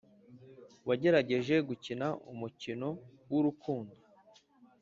wagerageje gukina umukino wurukundo,